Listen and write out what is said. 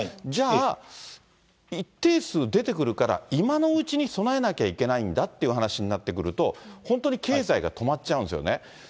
じゃあ、一定数出てくるから今のうちに備えなきゃいけないんだという話になってくると、本当に経済が止まっちゃうんですよね。